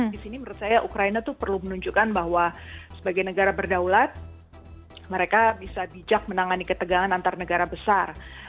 di sini menurut saya ukraina itu perlu menunjukkan bahwa sebagai negara berdaulat mereka bisa bijak menangani ketegangan antar negara besar